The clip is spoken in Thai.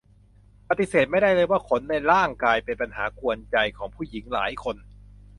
ปฎิเสธไม่ได้เลยว่าขนในร่างกายเป็นปัญหากวนใจของผู้หญิงหลายคน